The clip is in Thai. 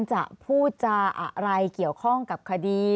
จะพูดจาอะไรเกี่ยวข้องกับคดี